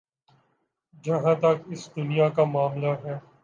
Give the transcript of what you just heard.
جہاں تک اس دنیا کا معاملہ ہے۔